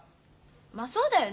まそうだよね。